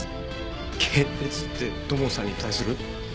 軽蔑って土門さんに対する？